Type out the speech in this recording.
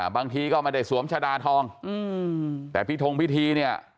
บางทีก็ไม่ได้สวมชะดาทองแต่พิทงพิธีเนี่ย